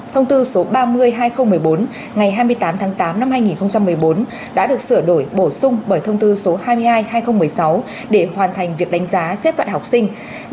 thông tư số ba mươi hai nghìn một mươi bốn ngày hai mươi tám tháng tám năm hai nghìn một mươi bốn đã được sửa đổi bổ sung bởi thông tư số hai mươi hai hai nghìn một mươi sáu để hoàn thành việc đánh giá xếp loại học sinh